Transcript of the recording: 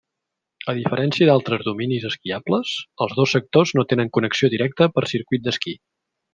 A diferència d'altres dominis esquiables, els dos sectors no tenen connexió directa per circuit d'esquí.